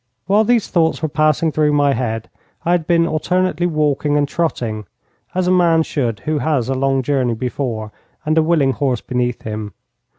While these thoughts were passing through my head I had been alternately walking and trotting, as a man should who has a long journey before, and a willing horse beneath, him.